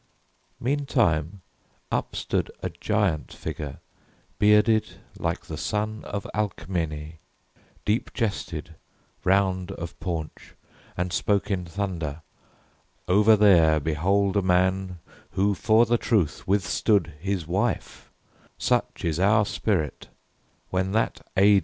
Meantime upstood A giant figure, bearded like the son Of Alcmene, deep chested, round of paunch, And spoke in thunder: "Over there behold A man who for the truth withstood his wife— Such is our spirit—when that A. D.